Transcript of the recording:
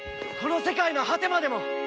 この世界の果てまでも！